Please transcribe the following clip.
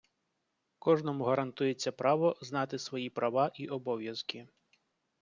Кожному гарантується право знати свої права і обов'язки.